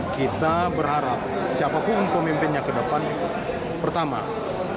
kita berharap siapapun pemimpinnya ke depan pertama